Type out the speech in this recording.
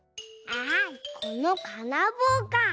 あこのかなぼうか。